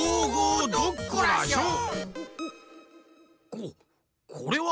ここれは！